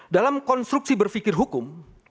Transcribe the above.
dalam konstruksi berfikir hukum